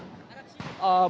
di arah kesini